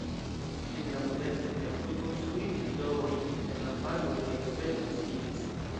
En la modernaj tempoj konstruiĝis domoj inter la farmoj kaj urbeto naskiĝis.